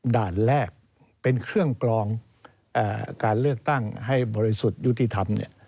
ด่านแรกเป็นเครื่องกรองการเลือกตั้งให้บริสุทธิ์ยุติธรรม